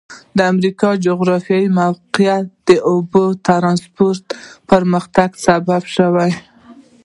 د امریکا جغرافیایي موقعیت د اوبو ترانسپورت پرمختګ سبب شوی.